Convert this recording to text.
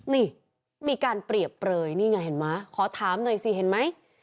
นี่มีการเปรียบเปลยนี่ไงเห็นไหมขอถามหน่อยสิเห็นไหม